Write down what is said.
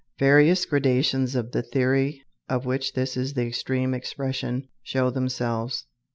Various gradations of the theory of which this is the extreme expression show themselves.